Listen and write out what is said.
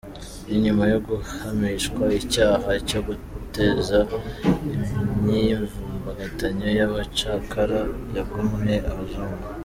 Ni nyuma yo guhamishwa icyaha cyo guteza imyivumbagatanyo y’abacakara yaguyemo abazungu.